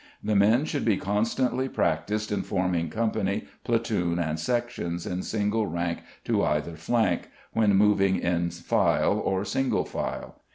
The men should be constantly practised in forming company, platoon, and sections in single rank to either flank, when moving in file or single file.